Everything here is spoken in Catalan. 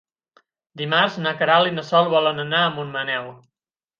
Dimarts na Queralt i na Sol volen anar a Montmaneu.